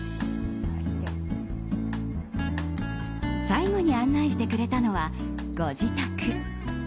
最後に案内してくれたのはご自宅。